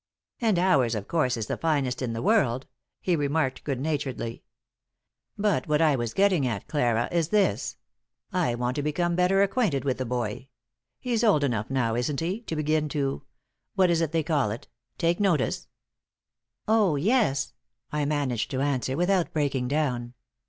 "And ours, of course, is the finest in the world," he remarked, good naturedly. "But what I was getting at, Clara, is this: I want to become better acquainted with the boy. He's old enough now, isn't he, to begin to what is it they call it? take notice?" "Oh, yes." I managed to answer, without breaking down.